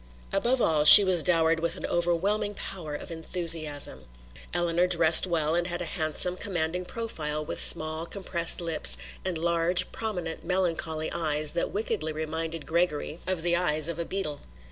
Above all she was dowered with an overwhelming power of enthusiasm. Eleanor dressed well and had a handsome, commanding profile with small, compressed lips and large, prominent, melancholy eyes that wickedly reminded Gregory of the eyes of a beetle.